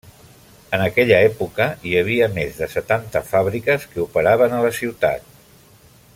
En aquella època hi havia més de setanta fàbriques que operaven a la ciutat.